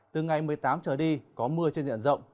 từ ngày một mươi tám trở đi có mưa trên diện rộng